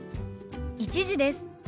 １時です。